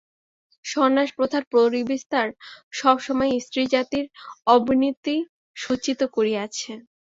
সন্ন্যাস-প্রথার পরিবিস্তার সব সময়েই স্ত্রীজাতির অবনতি সূচিত করিয়াছে।